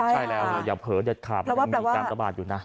ใช่แล้วอย่าเผลอเด็ดขาดมันยังมีการระบาดอยู่นะ